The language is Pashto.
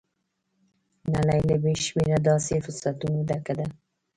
نړۍ له بې شمېره داسې فرصتونو ډکه ده.